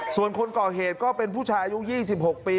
ส่วนคนก่อเหตุก็เป็นผู้ชายอายุ๒๖ปี